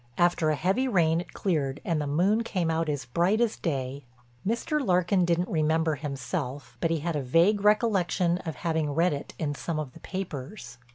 After a heavy rain it cleared and the moon came out as bright as day." Mr. Larkin didn't remember himself but he had a vague recollection of having read it in some of the papers.